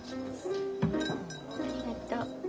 ありがとう。